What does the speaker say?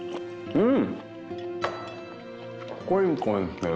うん。